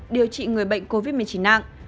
điều trị người bệnh covid một mươi chín nặng